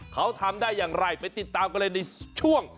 เขาทำได้อย่างไรไปติดตามกันเลยในช่วง